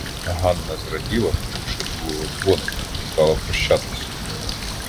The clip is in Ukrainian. Ганна зраділа, почувши другого дзвоника, стала прощатись.